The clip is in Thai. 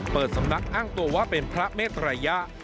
เปิดสำนักอ้างตัวว่าเป็นพระเมตรัยยะ